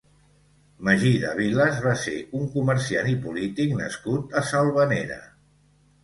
Magí de Viles va ser un comerciant i polític nascut a Selvanera.